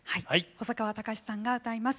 細川たかしさんが歌います。